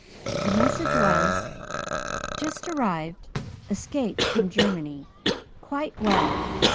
"The message was, 'Just arrived. Escaped from Germany. Quite well.